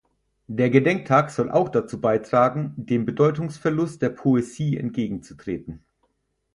Der Gedenktag soll auch dazu beitragen, dem Bedeutungsverlust der Poesie entgegenzutreten.